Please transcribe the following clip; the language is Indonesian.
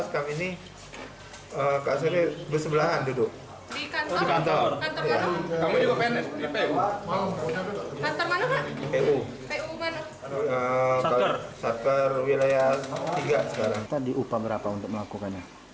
kita diupa berapa untuk melakukannya